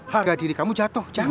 harga diri kamu jatuh